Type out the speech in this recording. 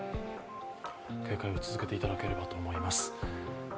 警戒を続けていただければと思います。